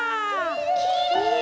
きれい！